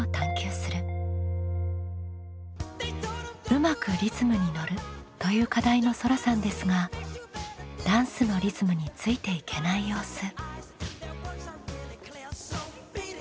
「うまくリズムにのる」という課題のそらさんですがダンスのリズムについていけない様子。